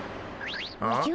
おじゃ？